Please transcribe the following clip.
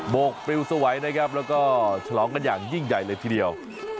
กปลิวสวัยนะครับแล้วก็ฉลองกันอย่างยิ่งใหญ่เลยทีเดียว